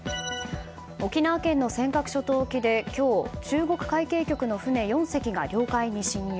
沖縄県の尖閣諸島沖で今日中国海警局の船４隻が領海に侵入。